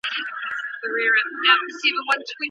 ايا ولور ادا کول له سوغاتونو غوره نه دي؟